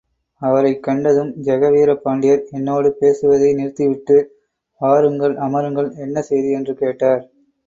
அவரைக் கண்டதும் ஜெகவீர பாண்டியர் என்னோடு பேசுவதை நிறுத்திவிட்டு, வாருங்கள், அமருங்கள், என்ன செய்தி? —என்று கேட்டார்.